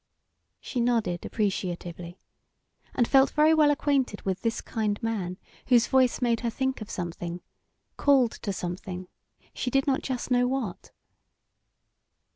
She nodded, appreciatively, and felt very well acquainted with this kind man whose voice made her think of something called to something she did not just know what.